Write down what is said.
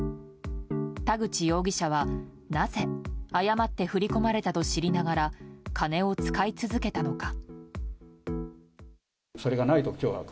田口容疑者は、なぜ誤って振り込まれたと知りながら金を使い続けたのか。